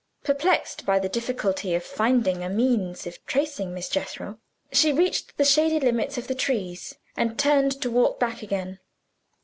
Perplexed by the difficulty of finding a means of tracing Miss Jethro, she reached the shady limit of the trees, and turned to walk back again.